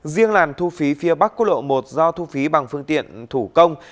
riêng làn thu phí phía bắc quốc lộ một do thu phí bằng phương tiện thủ công